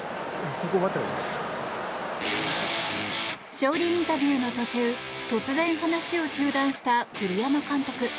勝利インタビューの途中突然話を中断した栗山監督。